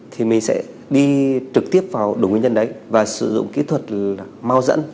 thì mình sẽ đi trực tiếp vào đủ nguyên nhân đấy và sử dụng kỹ thuật mau dẫn